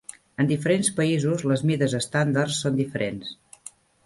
En diferents països, les mides "estàndards" són diferents.